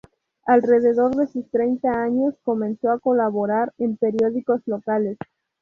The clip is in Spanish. Alrededor de sus treinta años, comenzó a colaborar en periódicos locales.